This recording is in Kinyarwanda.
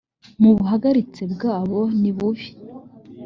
mu buhagaritse bwaho nibubi